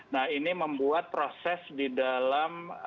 nah ini membuat proses di dalam